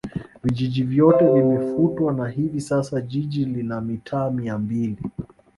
Vijiji vyote vimefutwa na hivi sasa Jiji lina mitaa Mia mbili